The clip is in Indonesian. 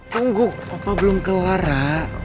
tunggu opo belum kelar ra